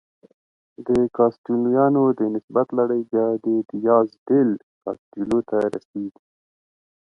د کاسټیلویانو د نسب لړۍ بیا دیاز ډیل کاسټیلو ته رسېږي.